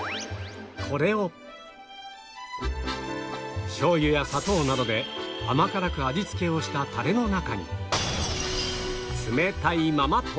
これをしょう油や砂糖などで甘辛く味付けをしたタレの中に冷たいまま投入